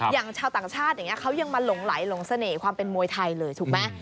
อย่างชาวต่างชาติอย่างนี้เขายังมาหลงไหลหลงเสน่ห์ความเป็นมวยไทยเลยถูกไหม